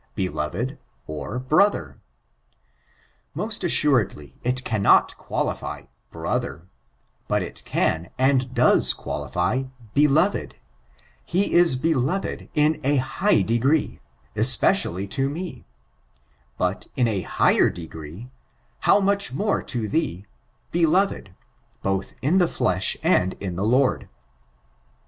— beloved or brother ? Most assuredly it cannot qualify brother; but it can, and doe<» qualify beloved : he is beloved in a high degree —" especiall y to me;" but in a higher degree — "how much more to thee" — beloved^ "both in the flesh, and in the Lord."